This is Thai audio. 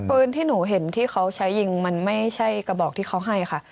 ปืนที่หนูเห็นที่เขาใช้ยิงมันไม่ใช่กระบอกที่เขาให้ค่ะ